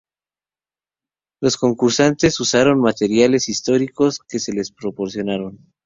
Los concursantes usaron materiales históricos que se les proporcionaron.